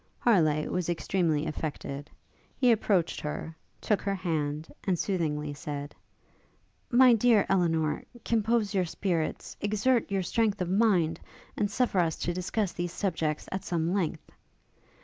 Harleigh was extremely affected: he approached her, took her hand, and soothingly said, 'My dear Elinor, compose your spirits, exert your strength of mind, and suffer us to discuss these subjects at some length.'